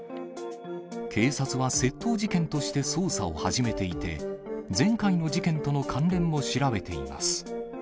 警察は窃盗事件として捜査を始めていて、前回の事件との関連も調べています。